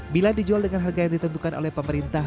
bila dijual dengan harga yang ditentukan oleh pemerintah